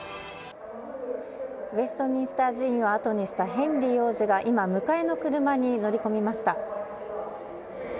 ウェストミンスター寺院を後にしたヘンリー王子が今、迎えの車に乗り込みました。